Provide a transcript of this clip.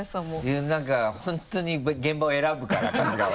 いやなんか本当に現場を選ぶから春日は。